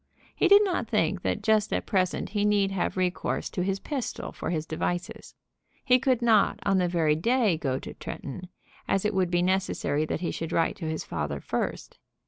He did not think that just at present he need have recourse to his pistol for his devices. He could not on the very day go to Tretton, as it would be necessary that he should write to his father first.